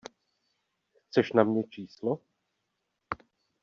Chceš na mě číslo?